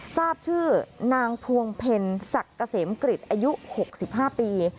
ทราบชื่อนางพวงเพ็ญศักดิ์เกษมกริจอายุ๖๕ปี